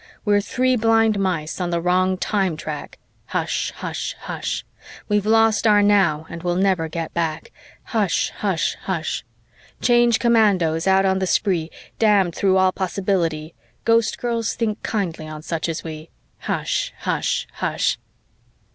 We're three blind mice on the wrong time track, Hush hush hush! We've lost our now and will never get back, Hush hush hush! Change Commandos out on the spree, Damned through all possibility, Ghostgirls, think kindly on such as we, Hush hush hush!